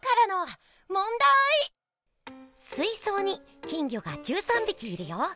水そうに金魚が１３びきいるよ。